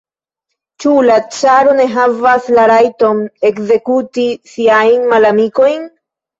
Ĉu la caro ne havas la rajton ekzekuti siajn malamikojn?